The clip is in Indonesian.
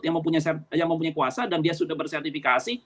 si oknum tersebut yang mempunyai kuasa dan dia sudah bersertifikasi